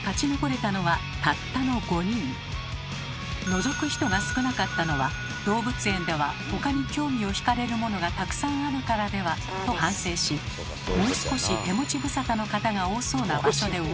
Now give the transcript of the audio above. のぞく人が少なかったのは動物園では他に興味をひかれるものがたくさんあるからでは？と反省しもう少し手持ち無沙汰の方が多そうな場所でウォッチング。